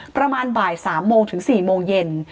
ประมาณบ่าย๓โมงถึง๔โมงเย็น